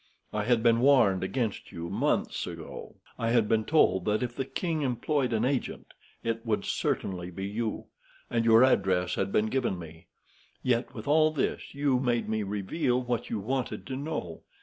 I had been warned against you months ago. I had been told that if the king employed an agent, it would certainly be you. And your address had been given me. Yet, with all this, you made me reveal what you wanted to know.